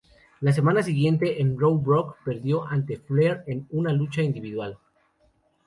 La semana siguiente en Raw, Brooke perdió ante Flair en una lucha individual.